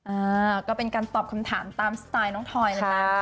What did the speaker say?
อ่าก็เป็นการตอบคำถามตามสไตล์น้องทอยนะคะ